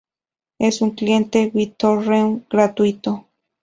Es un cliente BitTorrent gratuito.